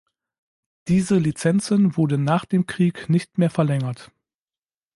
Diese Lizenzen wurden nach dem Krieg nicht mehr verlängert.